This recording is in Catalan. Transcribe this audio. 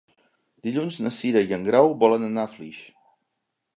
Dilluns na Cira i en Grau volen anar a Flix.